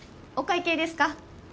お会計ですか？